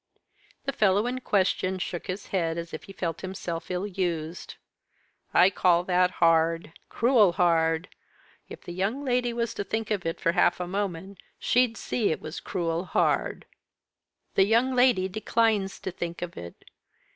The fellow in question shook his head as if he felt himself ill used. "I call that hard cruel hard. If the young lady was to think of it for half a moment she'd see as it was cruel hard." "The young lady declines to think of it.